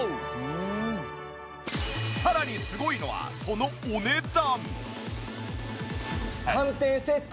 さらにすごいのはそのお値段。